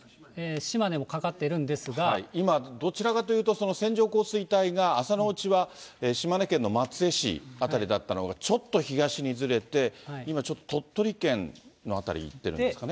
今、どちらかというと、線状降水帯が朝のうちは島根県の松江市辺りだったのが、ちょっと東にずれて、今、ちょっと鳥取県の辺りいってるんですかね。